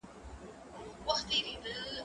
که وخت وي، خواړه ورکوم!!